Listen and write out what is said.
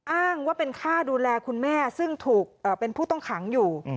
อ้างว่าเป็นค่าดูแลคุณแม่ซึ่งถูกเป็นผู้ต้องขังอยู่